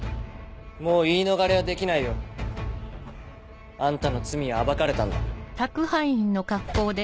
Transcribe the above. もう言い逃れはできないよ。あんたの罪は暴かれたんだ。